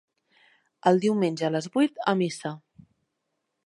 El diumenge, a les vuit, a missa